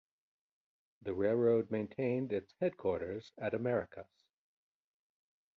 The railroad maintained its headquarters at Americus.